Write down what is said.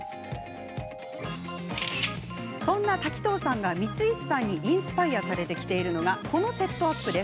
そんな滝藤さんが、光石さんにインスパイアされて着ているのがこのセットアップ。